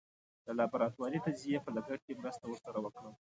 د لابراتواري تجزیې په لګښت کې مرسته ور سره وکړم.